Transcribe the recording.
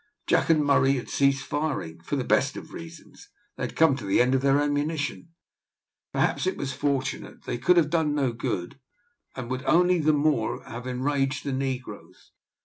Jack and Murray had ceased firing for the best of reasons they had come to the end of their ammunition. Perhaps it was fortunate; they could have done no good, and would only the more have enraged the negroes.